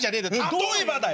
例えばだよ。